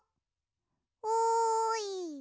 おい！